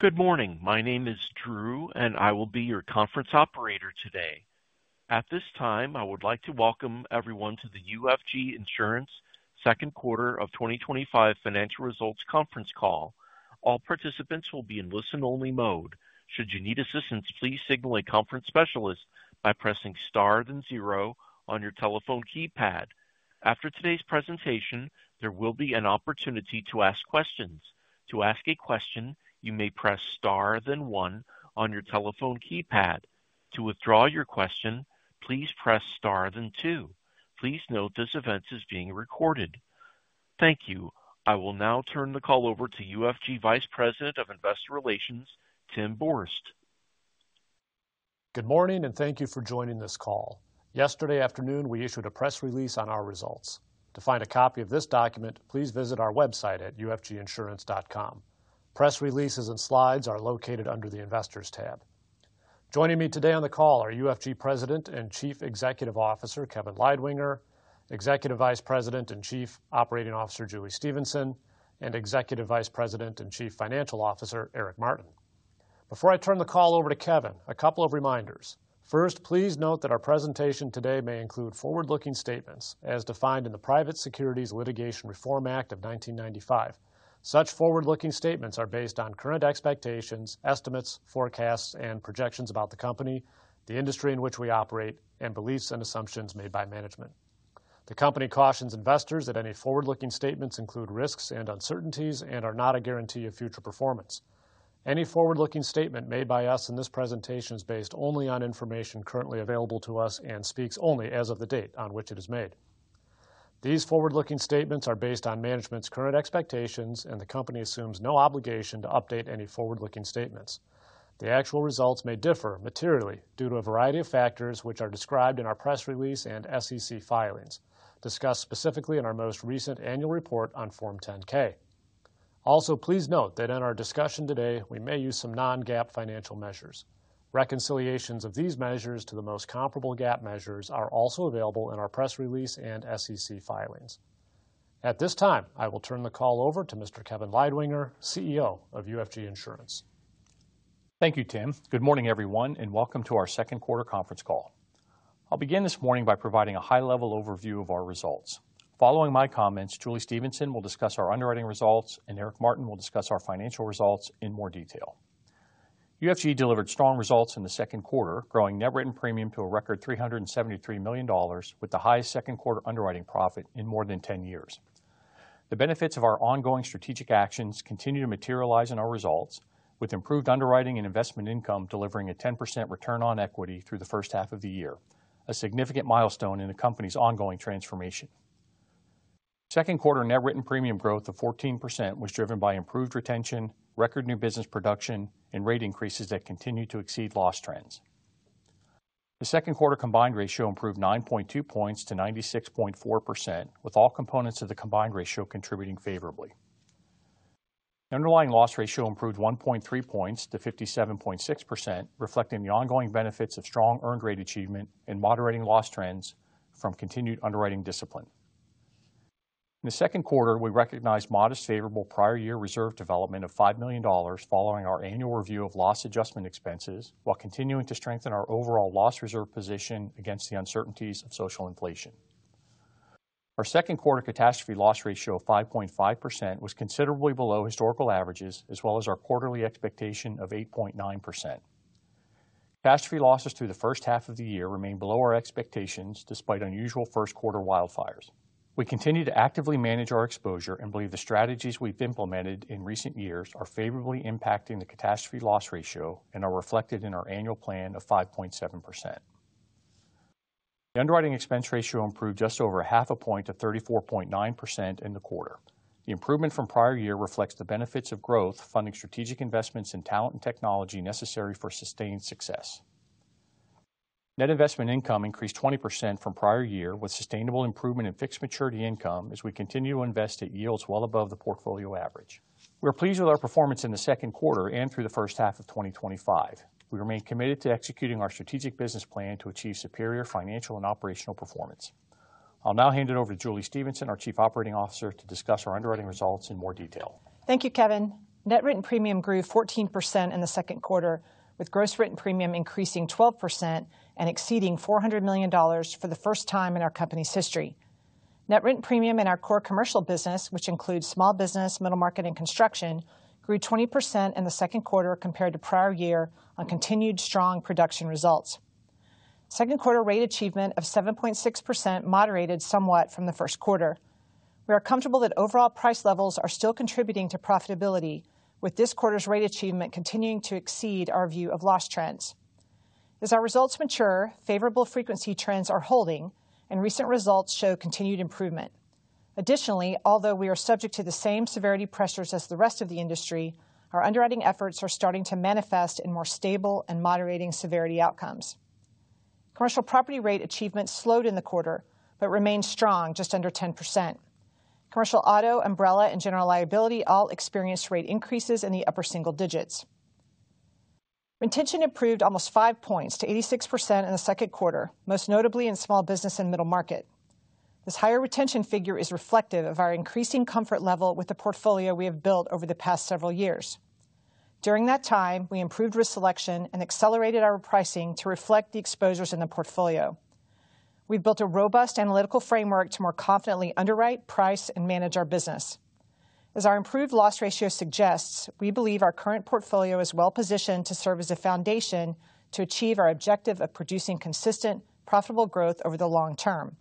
Good morning. My name is Drew, and I will be your conference operator today. At this time, I would like to welcome everyone to the UFG Insurance Second Quarter of 2025 Financial Results Conference Call. All participants will be in listen-only mode. Should you need assistance, please signal a conference specialist by pressing star, then zero on your telephone keypad. After today's presentation, there will be an opportunity to ask questions. To ask a question, you may press star, then one on your telephone keypad. To withdraw your question, please press star, then two. Please note this event is being recorded. Thank you. I will now turn the call over to UFG Vice President of Investor Relations, Tim Borst. Good morning, and thank you for joining this call. Yesterday afternoon, we issued a press release on our results. To find a copy of this document, please visit our website at ufginsurance.com. Press releases and slides are located under the Investors tab. Joining me today on the call are UFG President and Chief Executive Officer Kevin Leidwinger, Executive Vice President and Chief Operating Officer Julie Stephenson, and Executive Vice President and Chief Financial Officer Eric Martin. Before I turn the call over to Kevin, a couple of reminders. First, please note that our presentation today may include forward-looking statements, as defined in the Private Securities Litigation Reform Act of 1995. Such forward-looking statements are based on current expectations, estimates, forecasts, and projections about the company, the industry in which we operate, and beliefs and assumptions made by management. The company cautions investors that any forward-looking statements include risks and uncertainties and are not a guarantee of future performance. Any forward-looking statement made by us in this presentation is based only on information currently available to us and speaks only as of the date on which it is made. These forward-looking statements are based on management's current expectations, and the company assumes no obligation to update any forward-looking statements. The actual results may differ materially due to a variety of factors, which are described in our press release and SEC filings, discussed specifically in our most recent annual report on Form 10-K. Also, please note that in our discussion today, we may use some non-GAAP financial measures. Reconciliations of these measures to the most comparable GAAP measures are also available in our press release and SEC filings. At this time, I will turn the call over to Mr. Kevin Leidwinger, CEO of UFG Insurance. Thank you, Tim. Good morning, everyone, and welcome to our second quarter conference call. I'll begin this morning by providing a high-level overview of our results. Following my comments, Julie Stephenson will discuss our underwriting results, and Eric Martin will discuss our financial results in more detail. UFG delivered strong results in the second quarter, growing net written premium to a record $373 million, with the highest second quarter underwriting profit in more than 10 years. The benefits of our ongoing strategic actions continue to materialize in our results, with improved underwriting and investment income delivering a 10% return on equity through the first half of the year, a significant milestone in the company's ongoing transformation. Second quarter net written premium growth of 14% was driven by improved retention, record new business production, and rate increases that continue to exceed loss trends. The second quarter combined ratio improved 9.2 points to 96.4%, with all components of the combined ratio contributing favorably. The underlying loss ratio improved 1.3 points to 57.6%, reflecting the ongoing benefits of strong earned rate achievement and moderating loss trends from continued underwriting discipline. In the second quarter, we recognized modest favorable prior year reserve development of $5 million following our annual review of loss adjustment expenses, while continuing to strengthen our overall loss reserve position against the uncertainties of social inflation. Our second quarter catastrophe loss ratio of 5.5% was considerably below historical averages, as well as our quarterly expectation of 8.9%. Catastrophe losses through the first half of the year remain below our expectations despite unusual first quarter wildfires. We continue to actively manage our exposure and believe the strategies we've implemented in recent years are favorably impacting the catastrophe loss ratio and are reflected in our annual plan of 5.7%. The underwriting expense ratio improved just over half a point to 34.9% in the quarter. The improvement from prior year reflects the benefits of growth, funding strategic investments in talent and technology necessary for sustained success. Net investment income increased 20% from prior year, with sustainable improvement in fixed maturity income as we continue to invest at yields well above the portfolio average. We're pleased with our performance in the second quarter and through the first half of 2025. We remain committed to executing our strategic business plan to achieve superior financial and operational performance. I'll now hand it over to Julie Stephenson, our Chief Operating Officer, to discuss our underwriting results in more detail. Thank you, Kevin. Net written premium grew 14% in the second quarter, with gross written premium increasing 12% and exceeding $400 million for the first time in our company's history. Net written premium in our core commercial business, which includes small business, middle market, and construction, grew 20% in the second quarter compared to prior year on continued strong production results. Second quarter rate achievement of 7.6% moderated somewhat from the first quarter. We are comfortable that overall price levels are still contributing to profitability, with this quarter's rate achievement continuing to exceed our view of loss trends. As our results mature, favorable frequency trends are holding, and recent results show continued improvement. Additionally, although we are subject to the same severity pressures as the rest of the industry, our underwriting efforts are starting to manifest in more stable and moderating severity outcomes. Commercial property rate achievement slowed in the quarter, but remains strong, just under 10%. Commercial auto, umbrella, and general liability all experienced rate increases in the upper single digits. Retention improved almost five points to 86% in the second quarter, most notably in small business and middle market. This higher retention figure is reflective of our increasing comfort level with the portfolio we have built over the past several years. During that time, we improved risk selection and accelerated our pricing to reflect the exposures in the portfolio. We've built a robust analytical framework to more confidently underwrite, price, and manage our business. As our improved loss ratio suggests, we believe our current portfolio is well positioned to serve as a foundation to achieve our objective of producing consistent, profitable growth over the long term.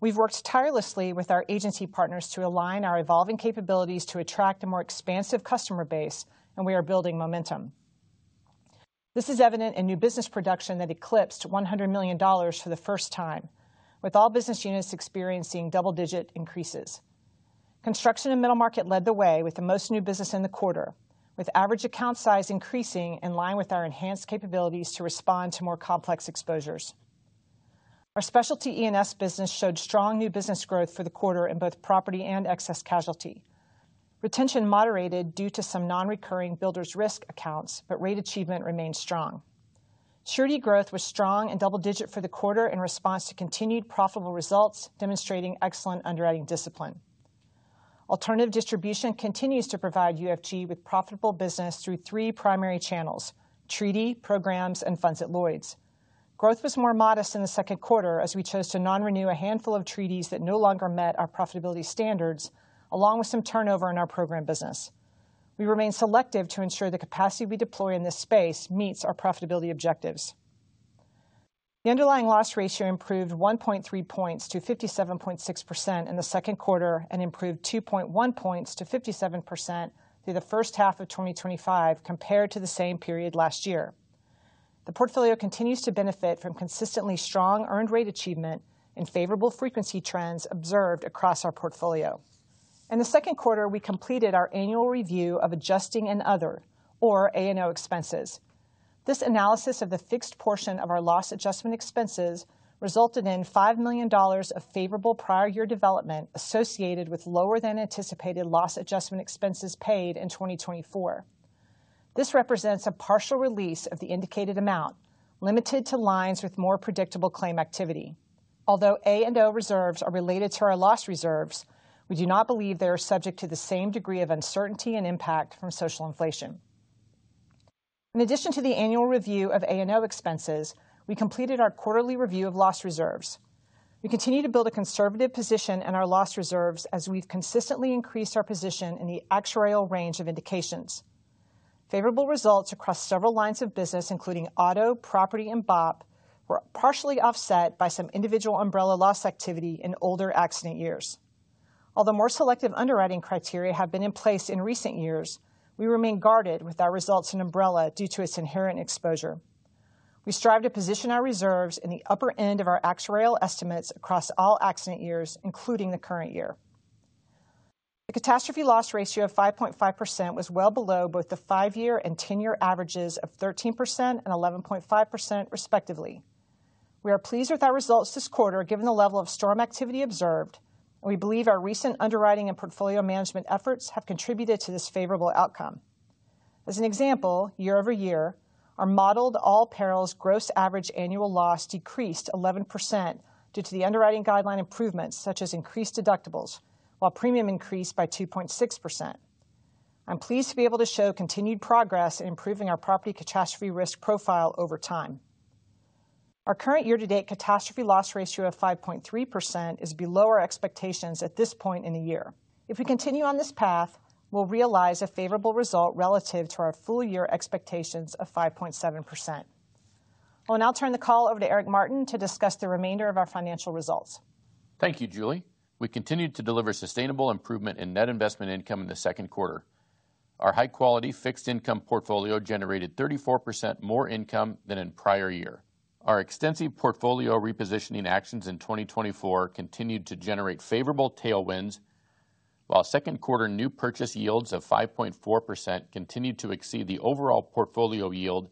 We've worked tirelessly with our agency partners to align our evolving capabilities to attract a more expansive customer base, and we are building momentum. This is evident in new business production that eclipsed $100 million for the first time, with all business units experiencing double-digit increases. Construction and middle market led the way with the most new business in the quarter, with average account size increasing in line with our enhanced capabilities to respond to more complex exposures. Our specialty E&S business showed strong new business growth for the quarter in both property and excess casualty. Retention moderated due to some non-recurring builder's risk accounts, but rate achievement remained strong. Surety growth was strong and double-digit for the quarter in response to continued profitable results, demonstrating excellent underwriting discipline. Alternative distribution continues to provide UFG with profitable business through three primary channels: treaty, programs, and funds at Lloyd’s. Growth was more modest in the second quarter as we chose to non-renew a handful of treaties that no longer met our profitability standards, along with some turnover in our program business. We remain selective to ensure the capacity we deploy in this space meets our profitability objectives. The underlying loss ratio improved 1.3 points to 57.6% in the second quarter and improved 2.1 points to 57% through the first half of 2025 compared to the same period last year. The portfolio continues to benefit from consistently strong earned rate achievement and favorable frequency trends observed across our portfolio. In the second quarter, we completed our annual review of adjusting and other, or A&O, expenses. This analysis of the fixed portion of our loss adjustment expenses resulted in $5 million of favorable prior year development associated with lower than anticipated loss adjustment expenses paid in 2024. This represents a partial release of the indicated amount, limited to lines with more predictable claim activity. Although A&O reserves are related to our loss reserves, we do not believe they are subject to the same degree of uncertainty and impact from social inflation. In addition to the annual review of A&O expenses, we completed our quarterly review of loss reserves. We continue to build a conservative position in our loss reserves as we've consistently increased our position in the actuarial range of indications. Favorable results across several lines of business, including auto, property, and BOP were partially offset by some individual umbrella loss activity in older accident years. Although more selective underwriting criteria have been in place in recent years, we remain guarded with our results in umbrella due to its inherent exposure. We strive to position our reserves in the upper end of our actuarial estimates across all accident years, including the current year. The catastrophe loss ratio of 5.5% was well below both the five-year and 10-year averages of 13% and 11.5%, respectively. We are pleased with our results this quarter given the level of storm activity observed, and we believe our recent underwriting and portfolio management efforts have contributed to this favorable outcome. As an example, year over year, our modeled all perils gross average annual loss decreased 11% due to the underwriting guideline improvements, such as increased deductibles, while premium increased by 2.6%. I'm pleased to be able to show continued progress in improving our property catastrophe risk profile over time. Our current year-to-date catastrophe loss ratio of 5.3% is below our expectations at this point in the year. If we continue on this path, we'll realize a favorable result relative to our full year expectations of 5.7%. I'll now turn the call over to Eric Martin to discuss the remainder of our financial results. Thank you, Julie. We continued to deliver sustainable improvement in net investment income in the second quarter. Our high-quality fixed income portfolio generated 34% more income than in prior year. Our extensive portfolio repositioning actions in 2024 continued to generate favorable tailwinds, while second quarter new purchase yields of 5.4% continued to exceed the overall portfolio yield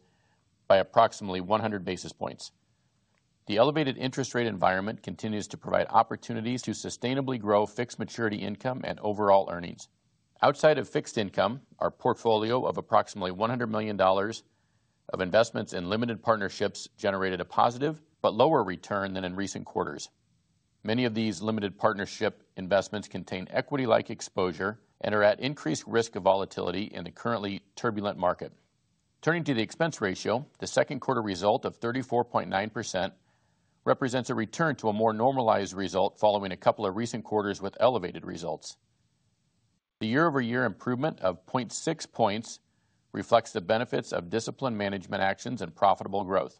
by approximately 100 basis points. The elevated interest rate environment continues to provide opportunities to sustainably grow fixed maturity income and overall earnings. Outside of fixed income, our portfolio of approximately $100 million of investments in limited partnerships generated a positive but lower return than in recent quarters. Many of these limited partnership investments contain equity-like exposure and are at increased risk of volatility in the currently turbulent market. Turning to the expense ratio, the second quarter result of 34.9% represents a return to a more normalized result following a couple of recent quarters with elevated results. The year-over-year improvement of 0.6 points reflects the benefits of discipline management actions and profitable growth.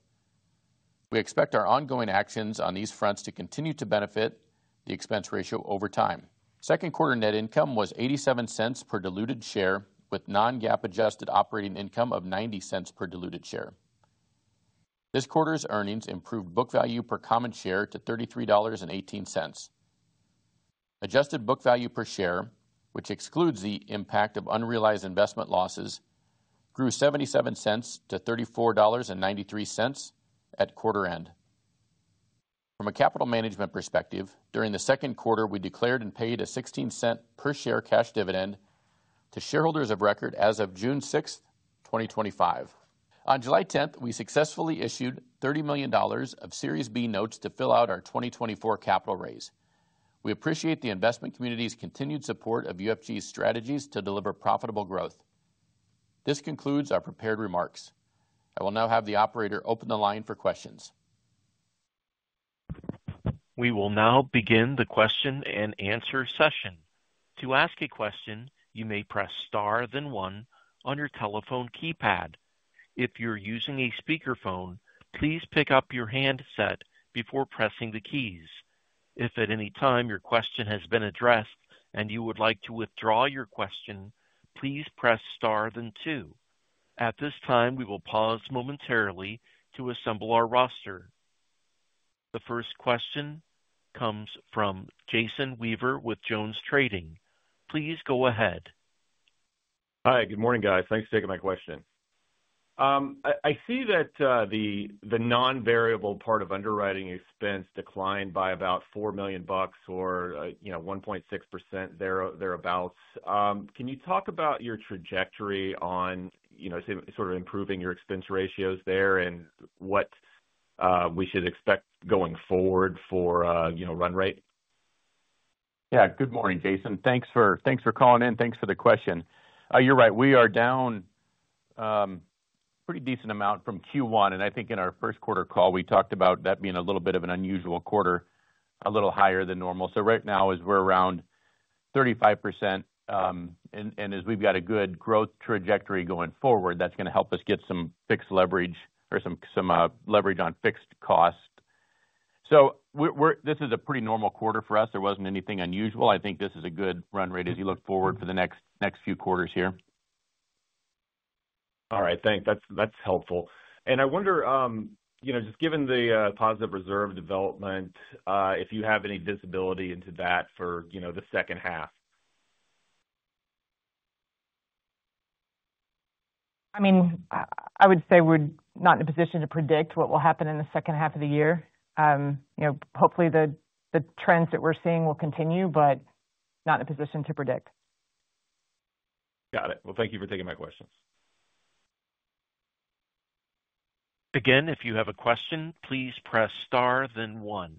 We expect our ongoing actions on these fronts to continue to benefit the expense ratio over time. Second quarter net income was $0.87 per diluted share, with non-GAAP adjusted operating income of $0.90 per diluted share. This quarter's earnings improved book value per common share to $33.18. Adjusted book value per share, which excludes the impact of unrealized investment losses, grew $0.77 to $34.93 at quarter end. From a capital management perspective, during the second quarter, we declared and paid a $0.16 per share cash dividend to shareholders of record as of June 6, 2025. On July 10, we successfully issued $30 million of Series B notes to fill out our 2024 capital raise. We appreciate the investment community's continued support of UFG's strategies to deliver profitable growth. This concludes our prepared remarks. I will now have the operator open the line for questions. We will now begin the question and answer session. To ask a question, you may press star, then one on your telephone keypad. If you're using a speakerphone, please pick up your handset before pressing the keys. If at any time your question has been addressed and you would like to withdraw your question, please press star, then two. At this time, we will pause momentarily to assemble our roster. The first question comes from Jason Weaver with JonesTrading. Please go ahead. Hi, good morning, guys. Thanks for taking my question. I see that the non-variable part of underwriting expense declined by about $4 million or 1.6% thereabouts. Can you talk about your trajectory on sort of improving your expense ratios there and what we should expect going forward for run rate? Good morning, Jason. Thanks for calling in. Thanks for the question. You're right. We are down a pretty decent amount from Q1, and I think in our first quarter call, we talked about that being a little bit of an unusual quarter, a little higher than normal. Right now, we're around 35%. As we've got a good growth trajectory going forward, that's going to help us get some leverage on fixed cost. This is a pretty normal quarter for us. There wasn't anything unusual. I think this is a good run rate as you look forward for the next few quarters here. All right, thanks. That's helpful. I wonder, you know, just given the positive reserve development, if you have any visibility into that for the second half. I would say we're not in a position to predict what will happen in the second half of the year. Hopefully, the trends that we're seeing will continue, but not in a position to predict. Got it. Thank you for taking my questions. Again, if you have a question, please press star, then one.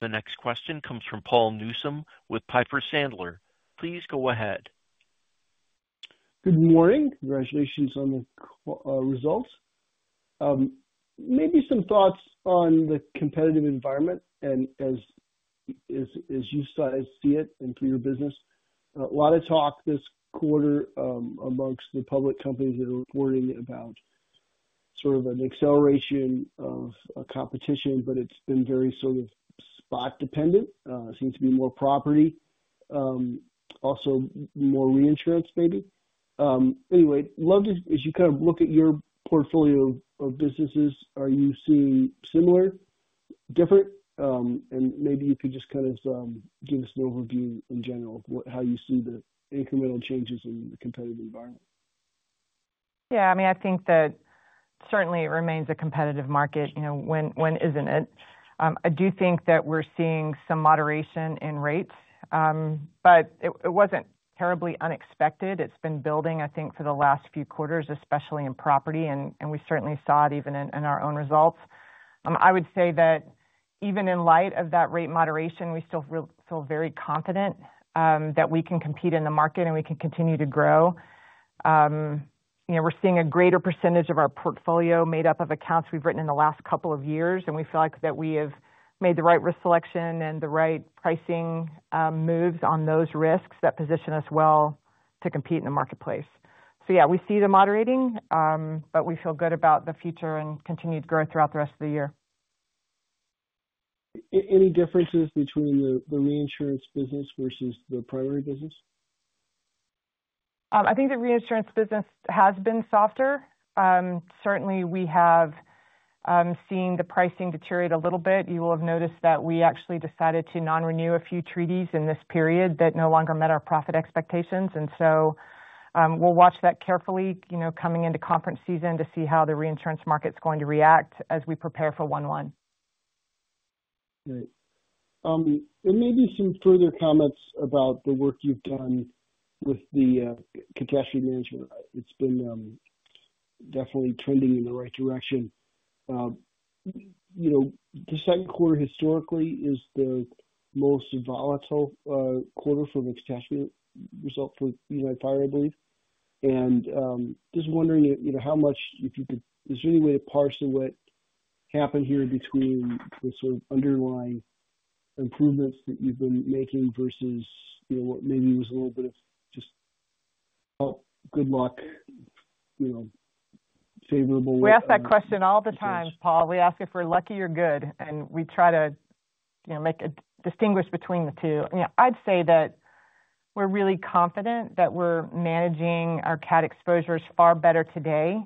The next question comes from Paul Newsome with Piper Sandler. Please go ahead. Good morning. Congratulations on the results. Maybe some thoughts on the competitive environment as you see it for your business. A lot of talk this quarter amongst the public companies that are worrying about sort of an acceleration of competition, but it's been very spot-dependent. It seems to be more property, also more reinsurance, maybe. Anyway, as you kind of look at your portfolio of businesses, are you seeing similar, different, and maybe you could just give us an overview in general of how you see the incremental changes in the competitive environment. I think that certainly it remains a competitive market. You know, when isn't it? I do think that we're seeing some moderation in rates, but it wasn't terribly unexpected. It's been building, I think, for the last few quarters, especially in property, and we certainly saw it even in our own results. I would say that even in light of that rate moderation, we still feel very confident that we can compete in the market and we can continue to grow. We're seeing a greater percentage of our portfolio made up of accounts we've written in the last couple of years, and we feel like we have made the right risk selection and the right pricing moves on those risks that position us well to compete in the marketplace. We see the moderating, but we feel good about the future and continued growth throughout the rest of the year. Any differences between the reinsurance business versus the primary business? I think the reinsurance business has been softer. Certainly, we have seen the pricing deteriorate a little bit. You will have noticed that we actually decided to non-renew a few treaties in this period that no longer met our profit expectations. We will watch that carefully, coming into conference season to see how the reinsurance market's going to react as we prepare for one-one. Great. Maybe some further comments about the work you've done with the catastrophe management. It's been definitely trending in the right direction. The second quarter historically is the most volatile quarter for the catastrophe result for United Fire Group, I believe. I'm just wondering, how much, if you could, is there any way to parse through what happened here between the sort of underlying improvements that you've been making versus what maybe was a little bit of just, oh, good luck, you know, favorable? We ask that question all the time, Paul. We ask if we're lucky or good, and we try to make a distinguish between the two. I'd say that we're really confident that we're managing our CAT exposures far better today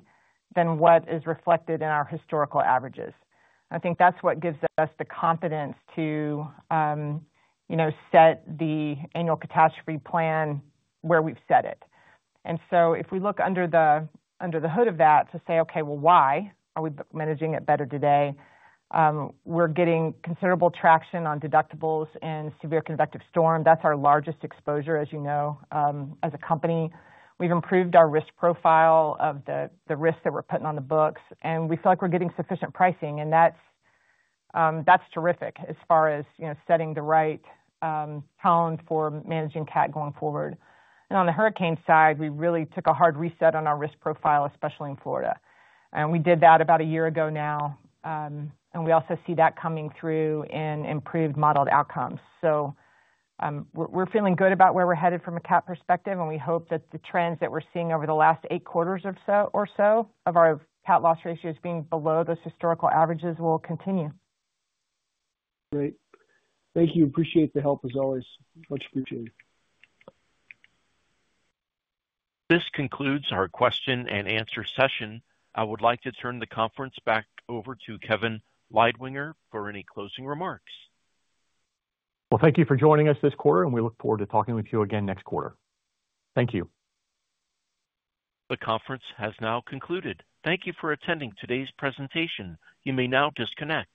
than what is reflected in our historical averages. I think that's what gives us the confidence to set the annual catastrophe plan where we've set it. If we look under the hood of that to say, okay, why are we managing it better today? We're getting considerable traction on deductibles and severe convective storm. That's our largest exposure, as you know, as a company. We've improved our risk profile of the risks that we're putting on the books, and we feel like we're getting sufficient pricing. That's terrific as far as setting the right tone for managing CAT going forward. On the hurricane side, we really took a hard reset on our risk profile, especially in Florida. We did that about a year ago now. We also see that coming through in improved modeled outcomes. We're feeling good about where we're headed from a CAT perspective, and we hope that the trends that we're seeing over the last eight quarters or so of our CAT loss ratios being below those historical averages will continue. Great. Thank you. Appreciate the help as always. Much appreciated. This concludes our question and answer session. I would like to turn the conference back over to Kevin Leidwinger for any closing remarks. Thank you for joining us this quarter, and we look forward to talking with you again next quarter. Thank you. The conference has now concluded. Thank you for attending today's presentation. You may now disconnect.